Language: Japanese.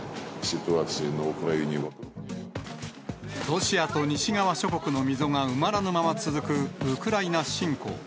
ロシアと西側諸国の溝が埋まらぬまま続くウクライナ侵攻。